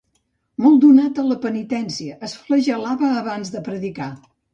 Molt donat a la penitència, es flagel·lava abans de predicar.